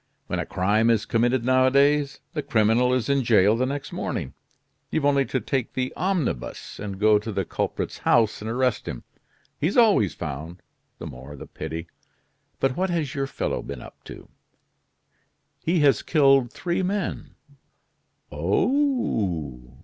When a crime is committed nowadays, the criminal is in jail the next morning, you've only to take the omnibus, and go to the culprit's house and arrest him. He's always found, the more the pity. But what has your fellow been up to?" "He has killed three men." "Oh!